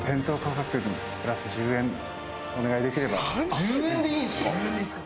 １０円でいいんですか？